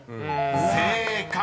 ［正解！